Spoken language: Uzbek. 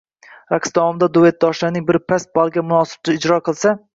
Raqs davomida duyetdoshning biri past ballga munosib ijro qilsa